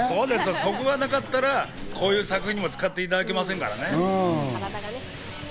そこがなかったら、こういう作品にも使っていただけませんからね。